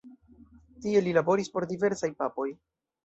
Tie li laboris por diversaj papoj.